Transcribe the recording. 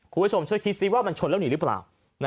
คุณผู้ชมช่วยคิดซิว่ามันชนแล้วหนีหรือเปล่า